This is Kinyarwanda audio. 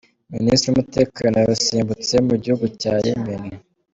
Minisitiri w’umutekano yarusimbutse Mugihugu Cya Yemeni